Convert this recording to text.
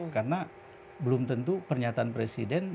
karena belum tentu pernyataan presiden